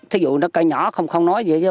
thí dụ cây nhỏ không nói gì